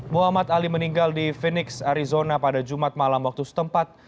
muhammad ali meninggal di phoenix arizona pada jumat malam waktu setempat